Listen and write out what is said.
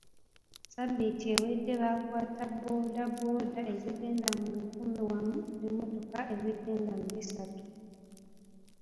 Ssabbiiti ewedde baakwata bbooda bbooda ezigenda mu lukumi wamu n'emmotoka ezigenda mu bisatu.